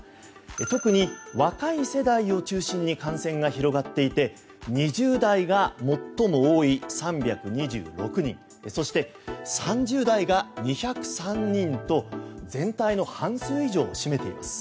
特に若い世代を中心に感染が広がっていて２０代が最も多い３２６人そして、３０代が２０３人と全体の半数以上を占めています。